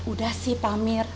udah sih pamir